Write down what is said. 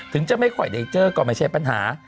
จะไม่ค่อยได้เจอก็ไม่ใช่ปัญหา